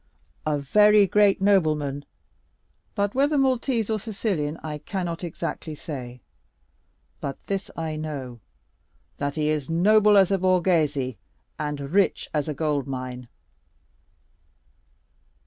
"A very great nobleman, but whether Maltese or Sicilian I cannot exactly say; but this I know, that he is noble as a Borghese and rich as a gold mine."